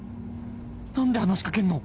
何で話しかけんの！？